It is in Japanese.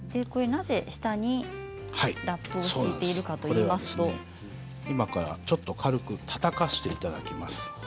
なぜ下にラップを敷いているかといいますと今から軽く、たたかせていただきます。